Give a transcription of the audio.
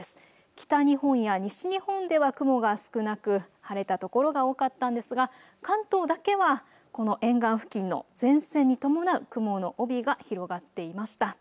北日本や西日本では雲が少なく晴れたところが多かったんですが関東だけはこの沿岸付近の前線に伴う雲の帯が広がっていました。